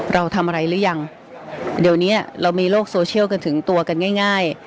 เราทำอะไรหรือยังเดี๋ยวเนี้ยเรามีโลกโซเชียลกันถึงตัวกันง่ายง่าย